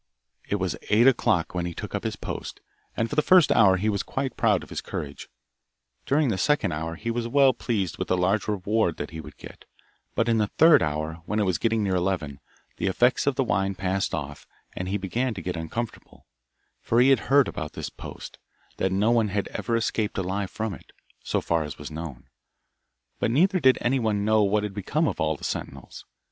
It was eight o'clock when he took up his post, and for the first hour he was quite proud of his courage; during the second hour he was well pleased with the large reward that he would get, but in the third hour, when it was getting near eleven, the effects of the wine passed off, and he began to get uncomfortable, for he had heard about this post; that no one had ever escapeed alive from it, so far as was known. But neither did anyone know what had become of all the sentinels.